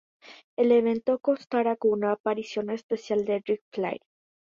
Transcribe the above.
El evento contará con una aparición especial de Ric Flair.